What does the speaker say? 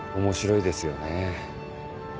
面白いですよね。